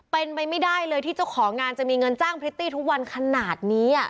เป็นไปไม่ได้เลยที่เจ้าของงานจะมีเงินจ้างพริตตี้ทุกวันขนาดนี้